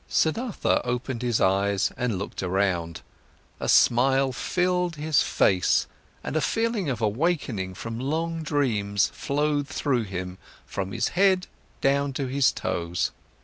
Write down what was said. Siddhartha opened his eyes and looked around, a smile filled his face and a feeling of awakening from long dreams flowed through him from his head down to his toes.